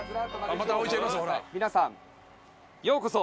皆さんようこそ。